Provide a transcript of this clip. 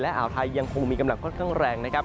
อ่าวไทยยังคงมีกำลังค่อนข้างแรงนะครับ